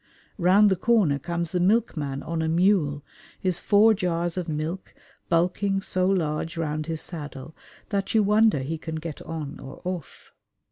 Round the corner comes the milkman on a mule, his four jars of milk bulking so large round his saddle that you wonder he can get on or off.